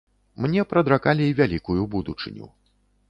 Мне прадракалі вялікую будучыню.